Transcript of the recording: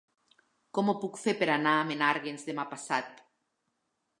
Com ho puc fer per anar a Menàrguens demà passat?